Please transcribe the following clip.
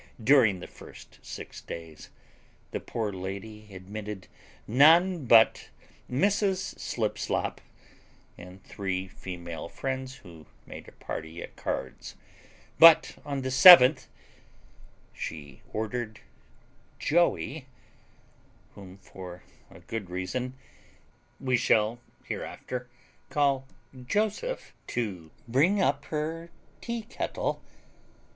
During the first six days the poor lady admitted none but Mrs. Slipslop, and three female friends, who made a party at cards: but on the seventh she ordered Joey, whom, for a good reason, we shall hereafter call JOSEPH, to bring up her tea kettle.